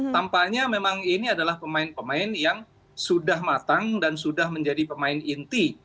tampaknya memang ini adalah pemain pemain yang sudah matang dan sudah menjadi pemain inti